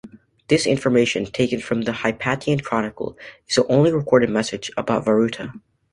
This information, taken from the Hypatian Chronicle, is the only recorded message about Voruta.